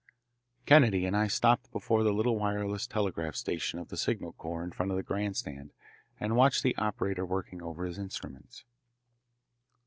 Kennedy and I stopped before the little wireless telegraph station of the signal corps in front of the grand stand and watched the operator working over his instruments.